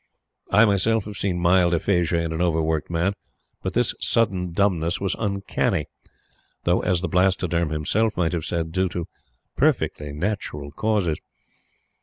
I myself have seen mild aphasia in an overworked man, but this sudden dumbness was uncanny though, as the Blastoderm himself might have said, due to "perfectly natural causes."